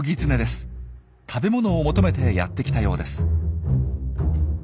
食べ物を求めてやってきたようです。